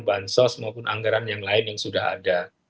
bansos maupun anggaran yang lain yang sudah ada